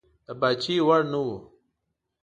د پاچهي وړ نه وو.